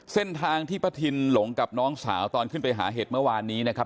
เส้นทางที่ปะทินหลงกับน้องสาวตอนขึ้นไปหาเห็ดเมื่อวานนี้นะครับ